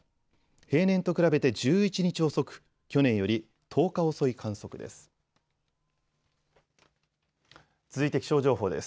平年と比べて１１日遅く去年より１０日遅い観測です。